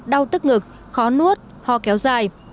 đau tức ngực khó nuốt ho kéo dài